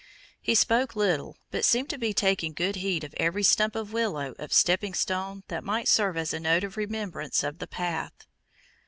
He spoke little, but seemed to be taking good heed of every stump of willow or stepping stone that might serve as a note of remembrance of the path.